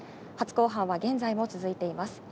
初公判は現在も続いています。